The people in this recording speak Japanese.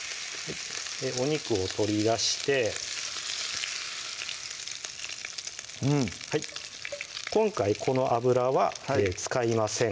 お肉を取り出して今回この油は使いません